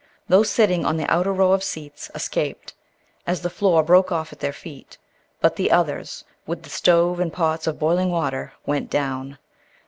Those sitting on the outer row of seats escaped, as the floor broke off at their feet; but the others, with the stove and pots of boiling water, went down.